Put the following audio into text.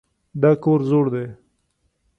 دا کور زوړ دی.